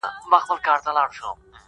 او هري تيږي، هر ګل بوټي، هري زرکي به مي؛